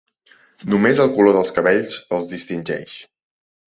Només el color dels cabells els distingeix.